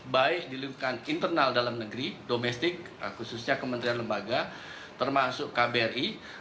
baik di lingkungan internal dalam negeri domestik khususnya kementerian lembaga termasuk kbri